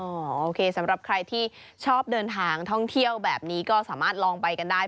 โอเคสำหรับใครที่ชอบเดินทางท่องเที่ยวแบบนี้ก็สามารถลองไปกันได้